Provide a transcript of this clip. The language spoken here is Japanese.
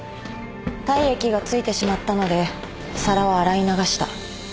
体液が付いてしまったので皿を洗い流した。